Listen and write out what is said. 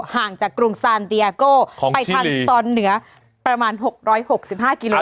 ห่างจากกรุงสานเตียโกของชิลีไปทางตอนเหนือประมาณ๖๖๕กิโลเมตร